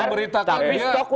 dia menimbun kan gitu